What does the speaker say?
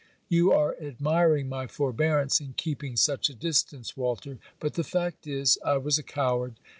You are admiring my forbearance in keeping such a distance, Walter; but the fact is, I was a coward.